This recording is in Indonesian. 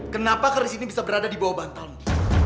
kenapa karis ini bisa berada di bawah bantamu